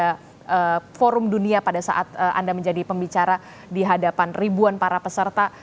mungkin ada tidak resep yang bisa di bagi kepada forum bagi dunia pada saat anda termasuk pembicara di hadapan ribuan para peserta